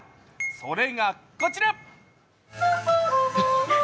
それがこちら。